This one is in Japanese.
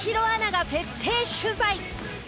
アナが徹底取材！